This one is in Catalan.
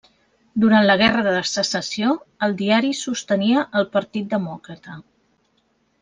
Durant la guerra de Secessió, el diari sostenia el Partit Demòcrata.